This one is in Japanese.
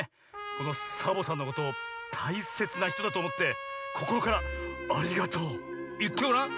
このサボさんのことを大切なひとだとおもってこころから「ありがとう」いってごらん。